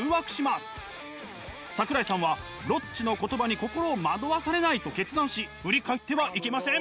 桜井さんは「ロッチの言葉に心を惑わされない」と決断し振り返ってはいけません。